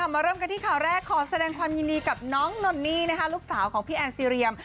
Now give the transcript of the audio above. มาเริ่มกันที่ข่าวแรกขอแสดงความยินดีกับน้องนนนี่นะคะลูกสาวของพี่แอนซีเรียม